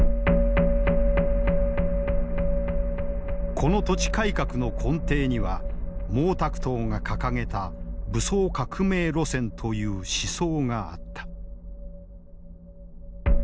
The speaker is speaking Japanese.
この土地改革の根底には毛沢東が掲げた「武装革命路線」という思想があった。